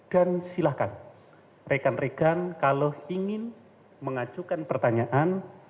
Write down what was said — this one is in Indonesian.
dan silahkan rekan rekan kalau ingin mengajukan pertanyaan